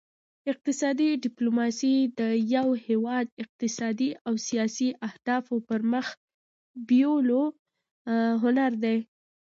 اقتصادي ډیپلوماسي د یو هیواد اقتصادي او سیاسي اهدافو پرمخ بیولو هنر دی